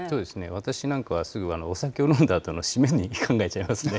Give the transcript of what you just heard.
私なんかはすぐ、お酒を飲んだあとの締めにって考えちゃいますね。